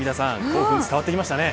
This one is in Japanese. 興奮が伝わってきましたね。